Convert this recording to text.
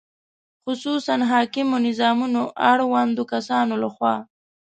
خصوصاً حاکمو نظامونو اړوندو کسانو له خوا